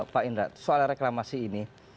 pak indra soal reklamasi ini